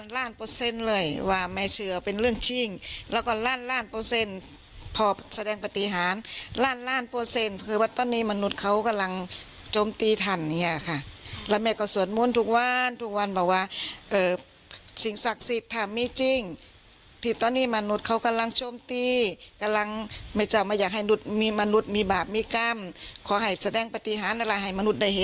ล่านเปอร์เซ็นต์เลยว่าแม่เชื่อเป็นเรื่องจริงแล้วก็ล่านเปอร์เซ็นต์พอแสดงปฏิหารล่านเปอร์เซ็นต์คือว่าตอนนี้มนุษย์เขากำลังโชมตีทันเนี่ยค่ะแล้วแม่ก็สวดม้วนทุกวันทุกวันบอกว่าสิ่งศักดิ์สิทธิ์ถามมีจริงที่ตอนนี้มนุษย์เขากำลังโชมตีกำลังไม่จะมาอยากให้มนุษย